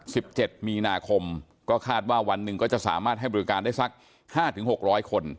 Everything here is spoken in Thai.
สิบเจ็ดมีนาคมก็คาดว่าวันหนึ่งก็จะสามารถให้บริการได้สักห้าถึงหกร้อยคน